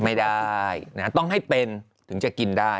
ไม่ได้ต้องให้เป็นถึงจะกินได้